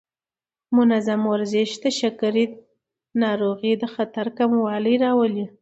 منظم ورزش د شکر ناروغۍ د خطر کموالی راولي.